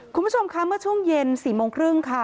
คุณผู้ชมคะเมื่อช่วงเย็น๔โมงครึ่งค่ะ